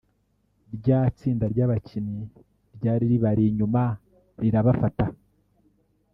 rya tsinda ry’abakinnyi ryari ribari inyuma rirabafata